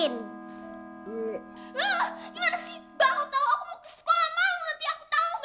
aku tau aku mau ke sekolah malu nanti